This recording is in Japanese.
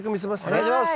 お願いします。